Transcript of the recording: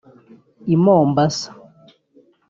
I Mombasa